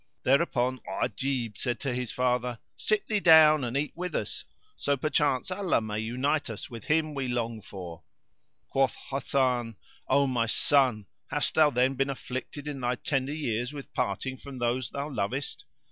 Thereupon Ajib said to his father, "Sit thee down and eat with us; so perchance Allah may unite us with him we long for." Quoth Hasan, "O my son, hast thou then been afflicted in thy tender years with parting from those thou lovest?"